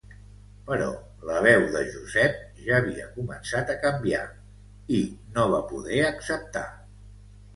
Però la veu de Josep ja havia començat a canviar i no va poder acceptar.